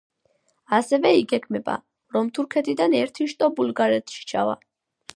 ასევე იგეგმება, რომ თურქეთიდან ერთი შტო ბულგარეთში ჩავა.